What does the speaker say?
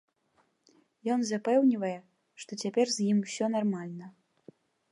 Ён запэўнівае, што цяпер з ім усё нармальна.